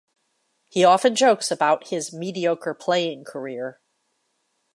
He often jokes about his mediocre playing career.